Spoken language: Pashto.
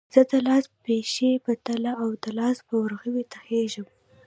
زه د پښې په تله او د لاس په ورغوي تخږم